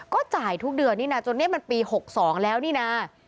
ก็จ่ายทุกเดือนนี่นะจนนี่มันปี๖๒แล้วนี่นะ